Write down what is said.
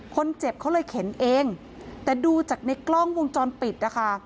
คนเจ็บเขาเลยเข็นเองแต่ดูจากในกล้องวงจรปิดนะคะ